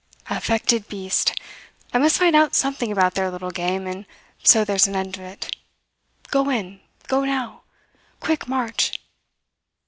Affected beast. I must find out something about their little game, and so there's an end of it. Go in! Go now! Quick march!"